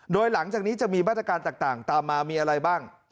โดยหลังจากนี้จะมีมาตรการต่างตามมามีอะไรบ้าง